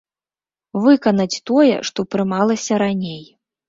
Выканаць тое, што прымалася раней.